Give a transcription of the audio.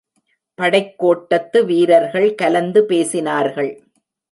படைக்கோட்டத்து வீரர்கள் கலந்து பேசினார்கள்.